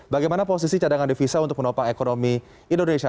bagaimana posisi cadangan devisa untuk menopang ekonomi indonesia